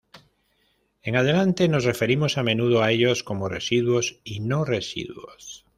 En adelante nos referimos a menudo a ellos como "residuos" y "no-residuos".